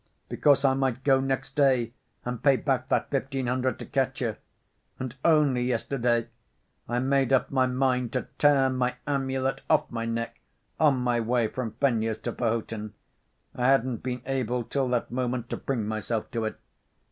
Because I might go next day and pay back that fifteen hundred to Katya. And only yesterday I made up my mind to tear my amulet off my neck, on my way from Fenya's to Perhotin. I hadn't been able till that moment to bring myself to it.